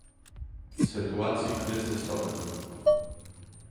Sytuacji Kryzysowych